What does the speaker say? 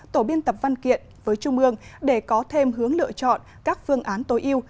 tổ biên tập văn kiện với trung ương để có thêm hướng lựa chọn các phương án tối yêu